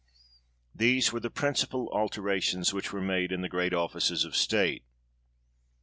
These were the principal alterations which were made in great offices of state.'